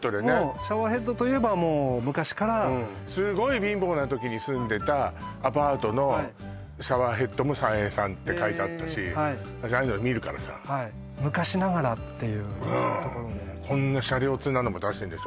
シャワーヘッドといえばもう昔からすごい貧乏な時に住んでたアパートのシャワーヘッドもＳＡＮＥＩさんって書いてあったしああいうの見るからさ昔ながらっていうところでこんなシャレオツなのも出してんでしょ？